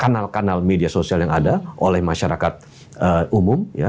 kanal kanal media sosial yang ada oleh masyarakat umum